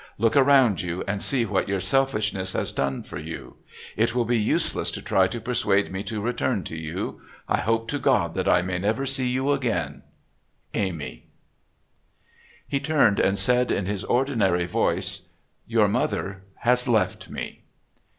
Look around you and see what your selfishness has done for you. It will be useless to try to persuade me to return to you. I hope to God that I shall never see you again. AMY. He turned and said in his ordinary voice, "Your mother has left me."